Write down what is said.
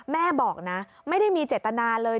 แม่บอกนะไม่ได้มีเจตนาเลย